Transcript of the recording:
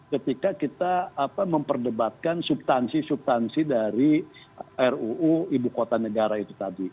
ketika kita memperdebatkan subtansi subtansi dari ruu ibu kota negara itu tadi